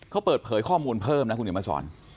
เขาเปิดเผยข้อมูลเผยดีไป